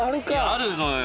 あるのよ